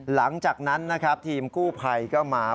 หลังจากนั้นนะครับทีมกู้ภัยก็มา